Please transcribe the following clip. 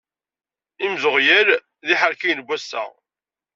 Imzeɣyal d iḥerkiyen n wass-a!